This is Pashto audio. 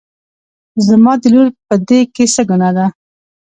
زما د لور په دې کې څه ګناه ده